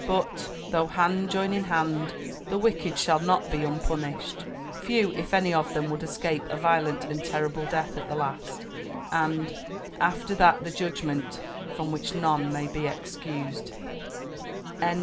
But "Though hand join in hand, the wicked shall not be unpunished." Few if any of them would escape a violent and terrible death at the last; and "after that the judgment"; from which none may be excused.